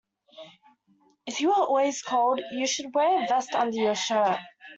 If you are always cold, you should wear a vest under your shirt